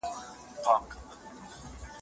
د سپوږمۍ رڼا ته